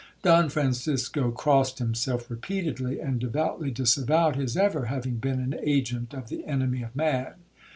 Don Francisco crossed himself repeatedly, and devoutly disavowed his ever having been an agent of the enemy of man.